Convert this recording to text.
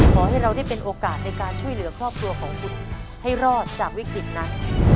ขอให้เราได้เป็นโอกาสในการช่วยเหลือครอบครัวของคุณให้รอดจากวิกฤตนั้น